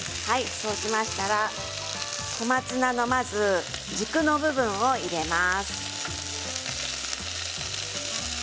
そうしましたら小松菜の、まず軸の部分を入れます。